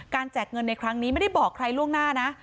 แจกเงินในครั้งนี้ไม่ได้บอกใครล่วงหน้านะ